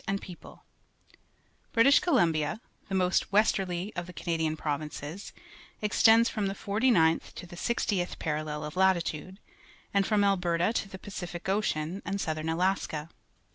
— British Columbia, the most westerly of the Canadian provinces, extends from Jjie 49th to the 60th parallel of latitude, and from AlTierfa to theJPaciHc Ocean and southern Alaska.